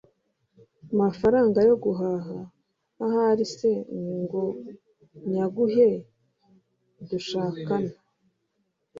mafaranga yo guhaha ahari se ngo nyaguhe? Dushakana